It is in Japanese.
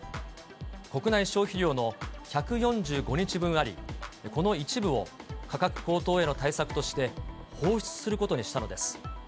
国内消費量の１４５日分あり、この一部を、価格高騰への対策として放出することにしたのです。